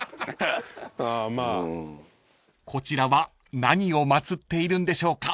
［こちらは何を祭っているんでしょうか？］